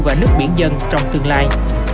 và nước biển dân trong tương lai